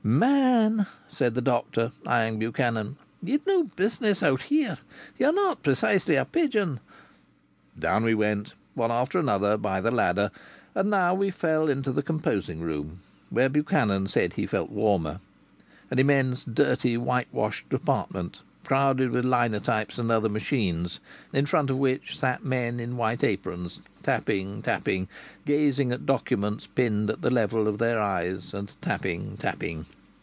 "Man," said the doctor, eyeing Buchanan. "Ye'd no business out here. Ye're not precisely a pigeon." Down we went, one after another, by the ladder, and now we fell into the composing room, where Buchanan said he felt warmer. An immense, dirty, white washed apartment crowded with linotypes and other machines, in front of which sat men in white aprons, tapping, tapping gazing at documents pinned at the level of their eyes and tapping, tapping.